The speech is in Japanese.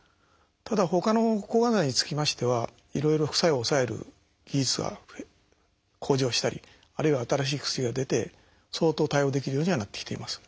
ただほかの抗がん剤につきましてはいろいろ副作用を抑える技術が向上したりあるいは新しい薬が出て相当対応できるようにはなってきています。